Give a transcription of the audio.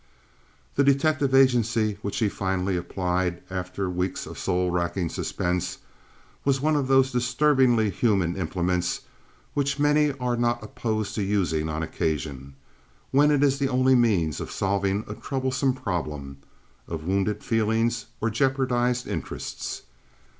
The detective agency to which she finally applied, after weeks of soul racking suspense, was one of those disturbingly human implements which many are not opposed to using on occasion, when it is the only means of solving a troublous problem of wounded feelings or jeopardized interests.